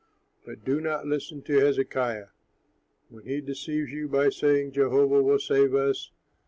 But do not listen to Hezekiah, when he deceives you by saying, Jehovah will save us.